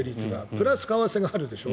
プラス為替があるでしょ。